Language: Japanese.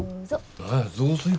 何や雑炊か。